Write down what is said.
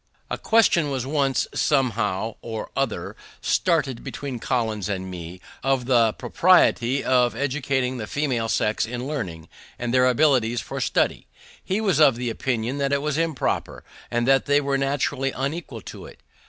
A question was once, somehow or other, started between Collins and me, of the propriety of educating the female sex in learning, and their abilities for study. He was of opinion that it was improper, and that they were naturally unequal to it.